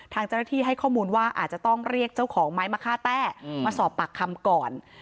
ทางเจ้าหน้าที่ให้ข้อมูลว่าอาจจะต้องเรียกเจ้าของไม้มะค่าแต้มาสอบปากคำก่อน